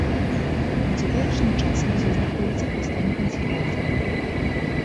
У цяперашні час музей знаходзіцца ў стане кансервацыі.